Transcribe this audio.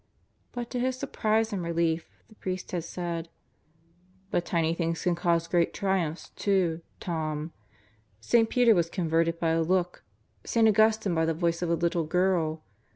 But to his surprise and relief the priest had said: "But tiny things can cause great triumphs, too, Tom, St. Peter was con verted by a look; St. Augustine, by the voice of a little girl.